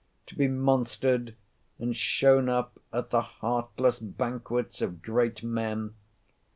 to be monstered, and shown up at the heartless banquets of great men?